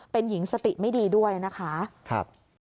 เป็นหญิงสติไม่ดีด้วยนะคะ